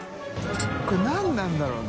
これ何なんだろうな。